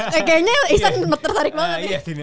kayaknya isan tertarik banget nih